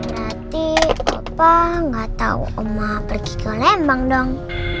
berarti opa nggak tahu oma pergi ke lembang dong